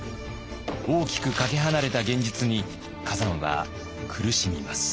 大きくかけ離れた現実に崋山は苦しみます。